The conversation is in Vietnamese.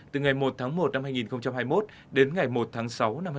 từ ngày một tháng một năm hai nghìn hai mươi một đến ngày một tháng sáu năm hai nghìn hai mươi bốn